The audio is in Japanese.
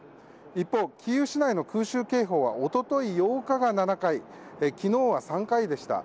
一方、キーウ市内の空襲警報は一昨日８日が７回昨日は３回でした。